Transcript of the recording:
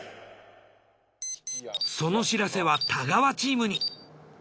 その知らせは太川チームに。